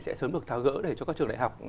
sẽ sớm được tháo gỡ để cho các trường đại học